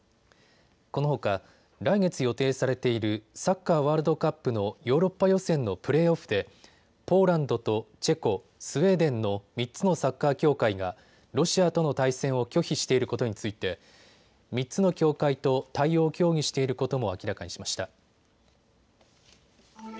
このほか、来月予定されているサッカーワールドカップのヨーロッパ予選のプレーオフでポーランドとチェコ、スウェーデンの３つのサッカー協会がロシアとの対戦を拒否していることについて３つの協会と対応を協議していることも明らかにしました。